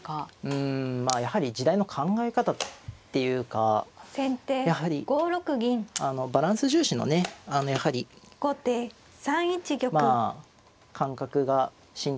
うんまあやはり時代の考え方っていうかやはりあのバランス重視のねやはりまあ感覚が浸透したというか。